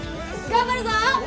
頑張るぞ！